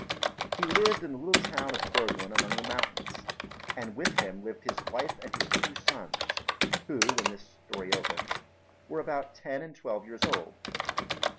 He lived in the little town of Burglen among the mountains, and with him lived his wife and his two sons, who, when this story opens, were about ten and twelve years old.